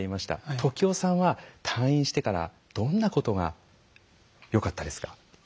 時男さんは退院してからどんなことがよかったですか？